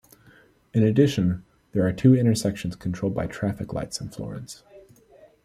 In addition, there are two intersections controlled by traffic lights in Florence.